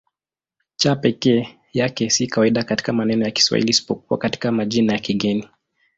C peke yake si kawaida katika maneno ya Kiswahili isipokuwa katika majina ya kigeni.